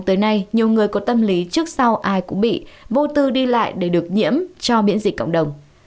tới nay nhiều người có tâm lý trước sau ai cũng bị vô tư đi lại để được nhiễm cho miễn dịch cộng đồng